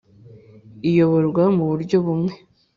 Iyoborwa mu buryo bumwe